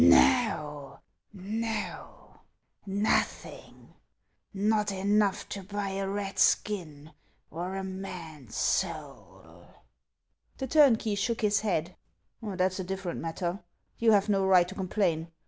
" No, no, nothing ; not enough to buy a rat's skin or a man's soul." The turnkey shook his head :" That 's a different matter ; you have no right to complain.